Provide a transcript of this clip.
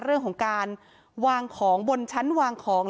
เรื่องของการวางของบนชั้นวางของ